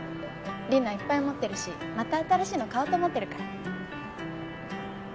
リナいっぱい持ってるしまた新しいの買おうと思ってるから。